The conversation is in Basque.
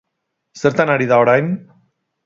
Zertan ari da orain?